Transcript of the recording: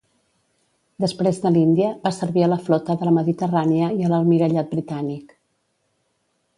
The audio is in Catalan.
Després de l'Índia, va servir a la Flota de la Mediterrània i a l'Almirallat britànic.